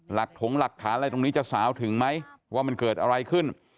ถงหลักฐานอะไรตรงนี้จะสาวถึงไหมว่ามันเกิดอะไรขึ้น